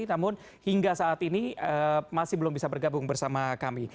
namun hingga saat ini masih belum bisa bergabung bersama kami